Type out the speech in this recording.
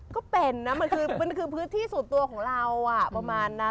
ก็เป็นนะมันคือมันคือพื้นที่ส่วนตัวของเราประมาณนั้น